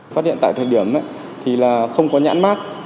phát hiện tại thời điểm thì là không có nhãn mát